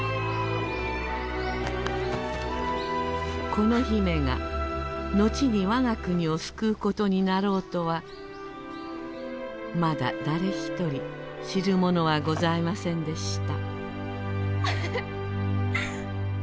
「この姫が後に我が国を救うことになろうとはまだ誰ひとり知るものはございませんでした」。